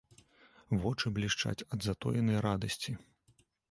Вочы блішчаць ад затоенай радасці.